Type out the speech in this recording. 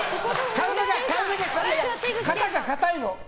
体が硬いの。